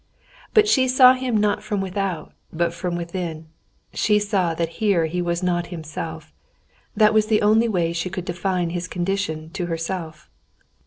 But she saw him not from without, but from within; she saw that here he was not himself; that was the only way she could define his condition to herself.